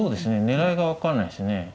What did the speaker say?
狙いが分からないですね。